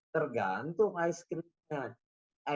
tergantung es krimnya